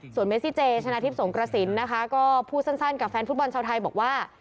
เมซิเจชนะทิพย์สงกระสินนะคะก็พูดสั้นกับแฟนฟุตบอลชาวไทยบอกว่า